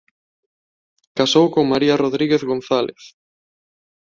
Casou con María Rodríguez González.